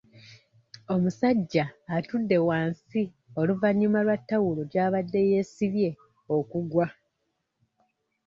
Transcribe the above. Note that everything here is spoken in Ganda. Omusajja atudde wansi oluvannyuma lwa tawulo gy'abadde yeesibye okugwa.